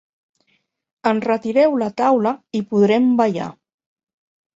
Enretireu la taula i podrem ballar.